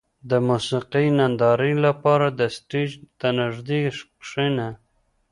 • د موسیقۍ نندارې لپاره د سټېج ته نږدې کښېنه.